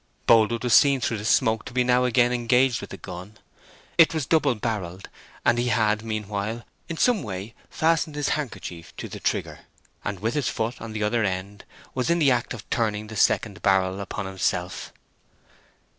Boldwood was seen through the smoke to be now again engaged with the gun. It was double barrelled, and he had, meanwhile, in some way fastened his hand kerchief to the trigger, and with his foot on the other end was in the act of turning the second barrel upon himself.